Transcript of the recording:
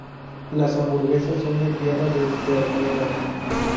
Las hamburguesas son de tierra de ternera.